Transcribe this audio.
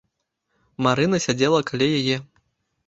Марына сядзела каля яе.